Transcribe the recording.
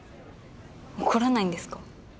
怒らないんですか？